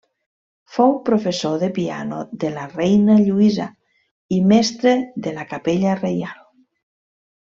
Fou professor de piano de la reina Lluïsa i mestre de la Capella Reial.